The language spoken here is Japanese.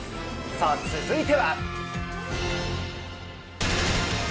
さあ、続いては。